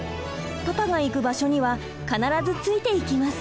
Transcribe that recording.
パパが行く場所には必ずついていきます。